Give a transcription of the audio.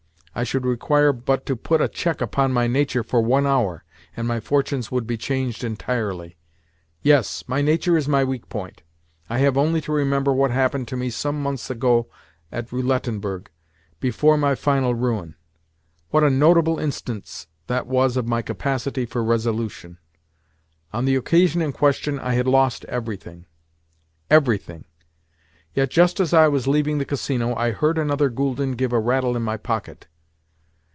I should require but to put a check upon my nature for one hour, and my fortunes would be changed entirely. Yes, my nature is my weak point. I have only to remember what happened to me some months ago at Roulettenberg, before my final ruin. What a notable instance that was of my capacity for resolution! On the occasion in question I had lost everything—everything; yet, just as I was leaving the Casino, I heard another gülden give a rattle in my pocket!